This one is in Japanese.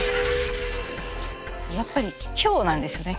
やっぱり今日なんですよね。